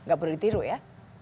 gak perlu ditiru ya